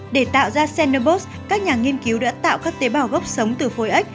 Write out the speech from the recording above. để tạo ra xenobos các nhà nghiên cứu đã tạo các tế bào gốc sống từ phôi ếch